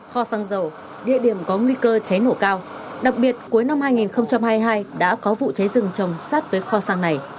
kho xăng dầu địa điểm có nguy cơ cháy nổ cao đặc biệt cuối năm hai nghìn hai mươi hai đã có vụ cháy rừng trồng sát với kho xăng này